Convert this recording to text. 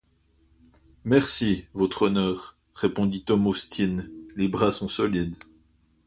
Merci, Votre Honneur, répondit Tom Austin, les bras sont solides.